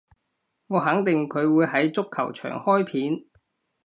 我肯定佢會喺足球場開片